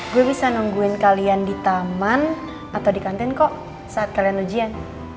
gue bisa nungguin kalian di taman atau di kantin kok saat kalian ujian